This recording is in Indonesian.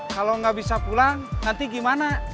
kalau tidak bisa pulang nanti bagaimana